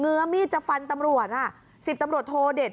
เงียวมีดจะฟันทำโรทน่ะสิบทำโรทโทเลช